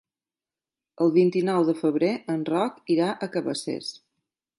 El vint-i-nou de febrer en Roc irà a Cabacés.